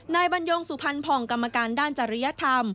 บรรยงสุพรรณผ่องกรรมการด้านจริยธรรม